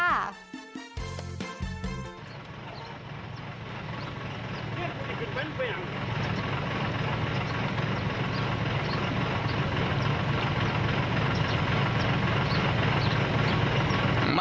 ไม่เดาด่วนนะ